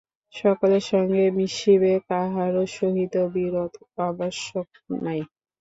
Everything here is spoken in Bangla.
সকলের সঙ্গে মিশিবে, কাহারও সহিত বিরোধ আবশ্যক নাই।